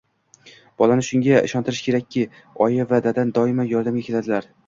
Bolani shunga ishontirish kerakki, oyi va dada doimo yordamga keladilar